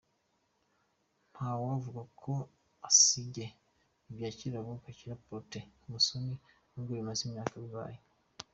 – Ntawavuga ngo asige ibya Kirabo Kakira na Protais Musoni n’ubwo bimaze imyaka bibaye!